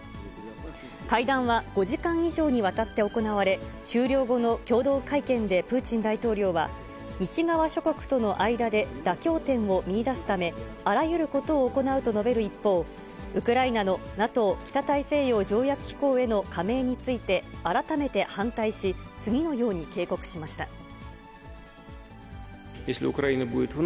会談は５時間以上にわたって行われ、終了後の共同会見でプーチン大統領は、西側諸国との間で妥協点を見いだすため、あらゆることを行うと述べる一方、ウクライナのＮＡＴＯ・北大西洋条約機構への加盟について、改めて反対し、次のように警告しました。